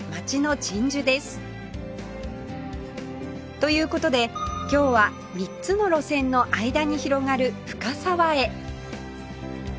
という事で今日は３つの路線の間に広がる深沢へ